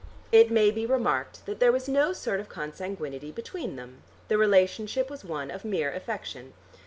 It may be remarked that there was no sort of consanguinity between them: the relationship was one of mere affection.